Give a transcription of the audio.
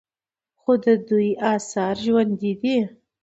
خو د دوی آثار ژوندي دي